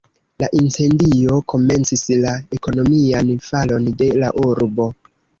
La incendio komencis la ekonomian falon de la urbo.